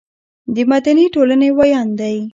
د مدني ټولنې ویاند دی.